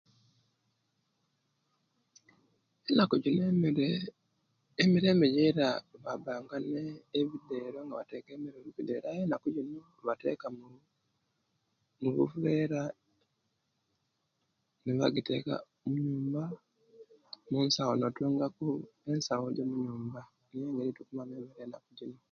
Enaku jino emere emirembe jeira babanga ne'bidero nga bateka emere mubidero naye enaku jinu bateka mubivera nebajiteka munyumba munsawo natunga ku ensawo munyumba